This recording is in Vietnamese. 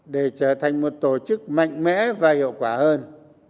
để trở thành một tổ chức mạnh mẽ và hiệu quả hơn